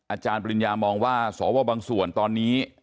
อาจารย์ปริญญามองว่าสวบางส่วนตอนนี้